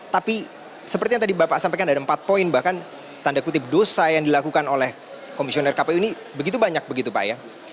tapi seperti yang tadi bapak sampaikan ada empat poin bahkan tanda kutip dosa yang dilakukan oleh komisioner kpu ini begitu banyak begitu pak ya